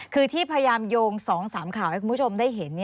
คือที่พยายามโยง๒๓ข่าวให้คุณผู้ชมได้เห็น